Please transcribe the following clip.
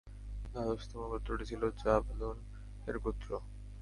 দ্বাদশতম গোত্রটি ছিল যাবূলূন-এর গোত্র।